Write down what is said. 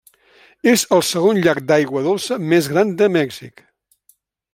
És el segon llac d'aigua dolça més gran de Mèxic.